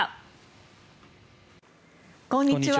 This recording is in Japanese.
こんにちは。